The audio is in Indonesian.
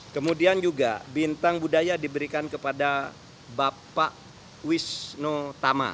kemudian juga bintang budaya diberikan kepada bapak wisno tama